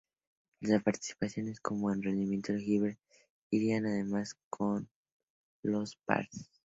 Tanto las participaciones como el rendimiento de Hibbert irían a más con los Pacers.